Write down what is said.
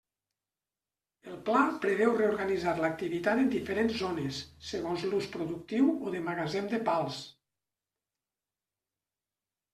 El Pla preveu reorganitzar l'activitat en diferents zones, segons l'ús productiu o de magatzem de pals.